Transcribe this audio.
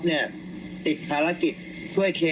อ้าว